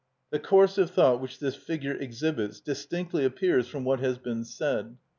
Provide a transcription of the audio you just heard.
The course of thought which this figure exhibits distinctly appears from what has been said.